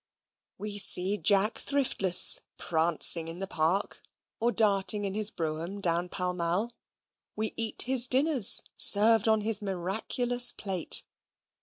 We see Jack Thriftless prancing in the park, or darting in his brougham down Pall Mall: we eat his dinners served on his miraculous plate.